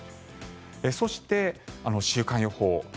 そして、週間予報。